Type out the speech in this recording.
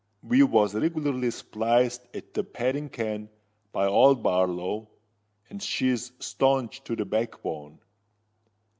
We was regularly spliced at the padding ken by old Barlow; and she's staunch to the backbone.